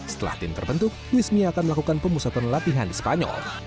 setelah tim terbentuk luis mia akan melakukan pemusatan latihan di spanyol